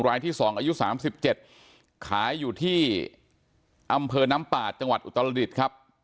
รายที่๒อายุ๓๗ขายอยู่ที่อำเภอน้ำปาดจังหวัดอุตรดิษฐ์ครับ